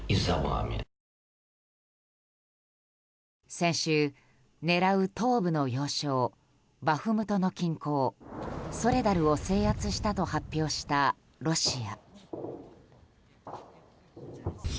先週、狙う東部の要衝バフムトの近郊ソレダルを制圧したと発表したロシア。